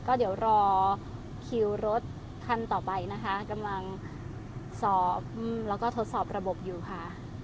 ก็เดี๋ยวรอคิวรถคันต่อไปนะคะกำลังสอบแล้วก็ทดสอบระบบอยู่ค่ะ